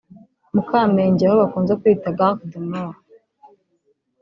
mu Kamenge aho bakunze kwita ‘Gare du Nord’